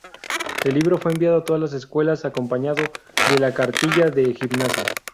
El libro fue enviado a todas las escuelas acompañado de la "Cartilla de Gimnasia".